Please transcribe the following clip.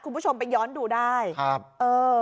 คุณผู้ชมไปย้อนดูได้ครับเออ